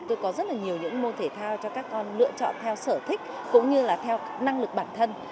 tôi có rất là nhiều những môn thể thao cho các con lựa chọn theo sở thích cũng như là theo năng lực bản thân